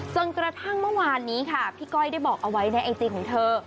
จนกระทั่งเมื่อวานนี้ค่ะพี่ก้อยได้บอกเอาไว้ในไอจีของเธอ